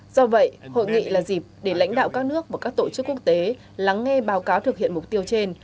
do vậy hội nghị là dịp để lãnh đạo các nước và các tổ chức quốc tế lắng nghe báo cáo thực hiện mục tiêu trên